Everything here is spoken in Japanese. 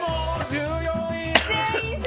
１４位。